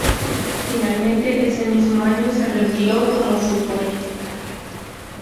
Finalmente ese mismo año se retiró como futbolista.